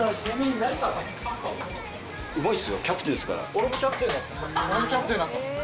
俺もキャプテンだったんです。